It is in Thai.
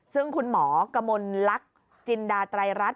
ซึ่งคุณหมอกมลลักษณ์จินดาไตรรัฐ